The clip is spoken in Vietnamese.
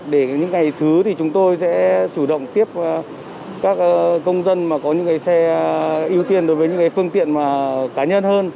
để những ngày thứ thì chúng tôi sẽ chủ động tiếp các công dân mà có những xe ưu tiên đối với những phương tiện cá nhân hơn